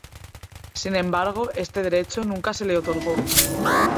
Sin embargo, este derecho nunca se le otorgó.